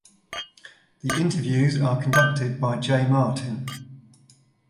The interviews are conducted by Jay Martin.